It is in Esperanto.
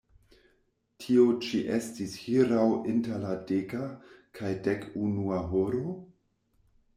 Tio ĉi estis hieraŭ inter la deka kaj dek unua horo.